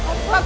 ya gue seneng